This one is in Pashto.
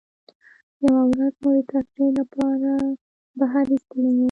یوه ورځ مو د تفریح له پاره بهر ایستلي وو.